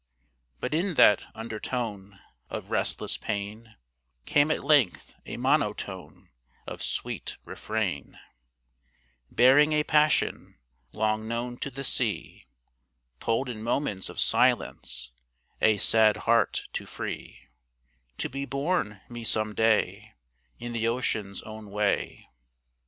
But in that undertone Of restless pain, Came at length a monotone Of sweet refrain, Bearing a passion Long known to the sea Told in moments of silence A sad heart to free To be borne me some day In the ocean's own way.